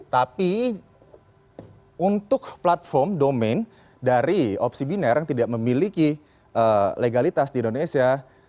tapi untuk platform domain dari opsi biner yang tidak memiliki legalitas di indonesia